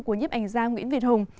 của nhếp ảnh gia nguyễn việt hùng